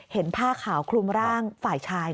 ผ้าขาวคลุมร่างฝ่ายชาย